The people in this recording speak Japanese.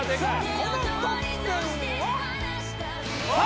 この得点は？